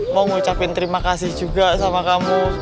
mau ngucapin terima kasih juga sama kamu